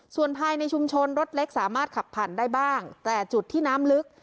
ส่วนภายในชุมชนรถเล็กสามารถขับผ่านได้บ้างแต่จุดที่น้ำลึก